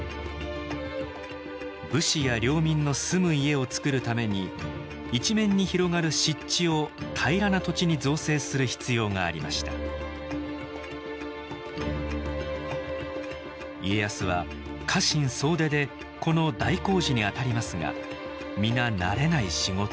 武士や領民の住む家をつくるために一面に広がる湿地を平らな土地に造成する必要がありました家康は家臣総出でこの大工事にあたりますが皆慣れない仕事。